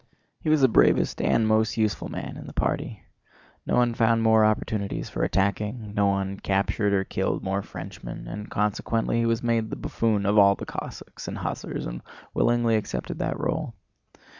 He was the bravest and most useful man in the party. No one found more opportunities for attacking, no one captured or killed more Frenchmen, and consequently he was made the buffoon of all the Cossacks and hussars and willingly accepted that role.